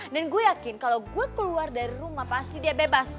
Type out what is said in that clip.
dan gue yakin kalau gue keluar dari rumah pasti dia bebas